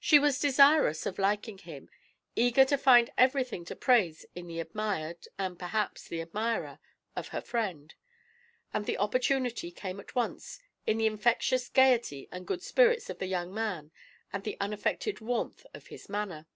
She was desirous of liking him, eager to find everything to praise in the admired and perhaps the admirer of her friend, and the opportunity came at once in the infectious gaiety and good spirits of the young man and the unaffected warmth of his manner.